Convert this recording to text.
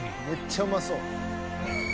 「めっちゃうまそう」